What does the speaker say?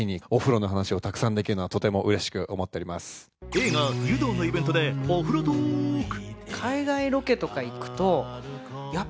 映画「湯道」のイベントでお風呂トーク。